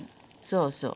そうそう。